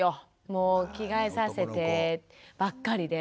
もう「着替えさせて」ばっかりで。